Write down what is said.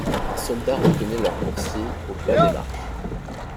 Un soldat retenait leurs coursiers au bas des marches.